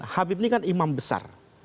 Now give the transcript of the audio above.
habib ini kan imam besar